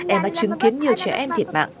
em đã chứng kiến nhiều trẻ em thiệt mạng